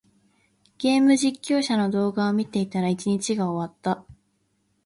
ゲーム実況者の動画を見ていたら、一日が終わった。